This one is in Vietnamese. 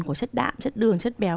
của chất đạm chất đường chất béo